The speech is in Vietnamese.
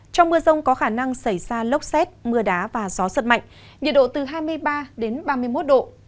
trong mưa rông có khả năng xảy ra lốc xét mưa đá và gió giật mạnh nhiệt độ từ hai mươi ba đến ba mươi một độ